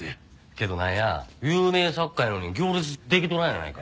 けどなんや有名作家やのに行列できとらんやないか。